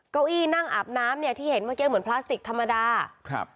เก้าอี้นั่งอาบน้ำเนี่ยที่เห็นเมื่อกี้เหมือนพลาสติกธรรมดาครับ